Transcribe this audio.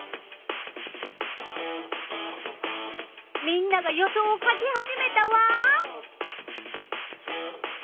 みんなが予想を書き始めたわ。